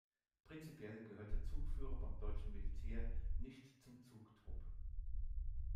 Prinzipiell gehört der Zugführer beim deutschen Militär nicht zum Zugtrupp.